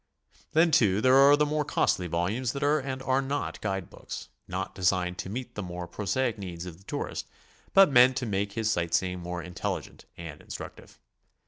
Then, too, there are the more costly volumes that are and are not guide books, not designed to meet the more prosaic needs of the tourist, but meant to make his sight seeing more intelligent and instructive.